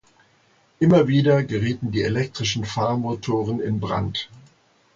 Immer wieder gerieten die elektrischen Fahrmotoren in Brand.